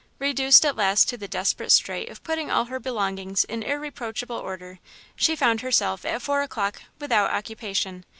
Reduced at last to the desperate strait of putting all her belongings in irreproachable order, she found herself, at four o'clock, without occupation.